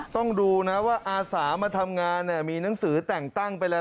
ต้องดูนะว่าอาสามาทำงานมีหนังสือแต่งตั้งไปแล้ว